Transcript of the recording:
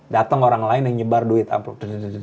dateng orang lain yang nyebar duit amplop